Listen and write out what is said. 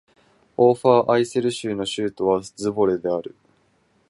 オーファーアイセル州の州都はズヴォレである